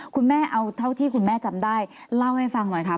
คุณแม่เอาเท่าที่คุณแม่จำได้เล่าให้ฟังหน่อยค่ะ